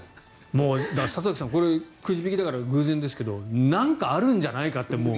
里崎さん、これくじ引きだから偶然ですけどなんかあるんじゃないかっていう。